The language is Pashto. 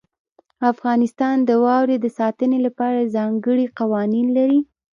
افغانستان د واورې د ساتنې لپاره ځانګړي قوانین لري.